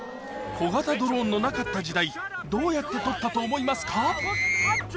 小型ドローンのなかった時代どうやって撮ったと思いますか？